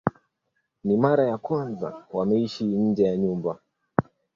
Ni mara ya kwanza wameishi nje ya nyumba.